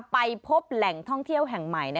ไปพบแหล่งท่องเที่ยวแห่งใหม่